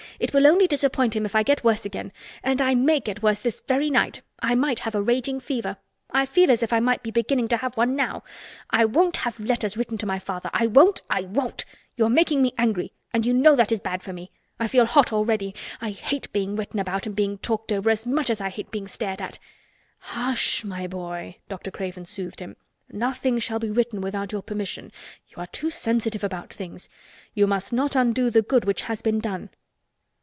"It will only disappoint him if I get worse again—and I may get worse this very night. I might have a raging fever. I feel as if I might be beginning to have one now. I won't have letters written to my father—I won't—I won't! You are making me angry and you know that is bad for me. I feel hot already. I hate being written about and being talked over as much as I hate being stared at!" "Hush h! my boy," Dr. Craven soothed him. "Nothing shall be written without your permission. You are too sensitive about things. You must not undo the good which has been done."